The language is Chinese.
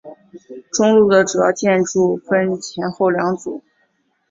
中路的主要建筑分前后两组。